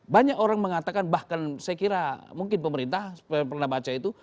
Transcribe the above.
banyak orang mengatakan bahkan saya kira mungkin pemerintah pernah baca itu